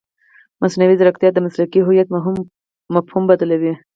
مصنوعي ځیرکتیا د مسلکي هویت مفهوم بدلوي.